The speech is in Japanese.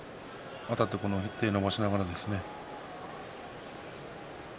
あたって手を伸ばしながら。